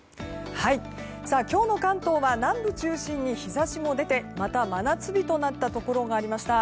今日の関東は南部を中心に日差しも出て、また真夏日となったところがありました。